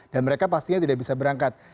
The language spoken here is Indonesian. dan mereka pastinya tidak bisa berangkat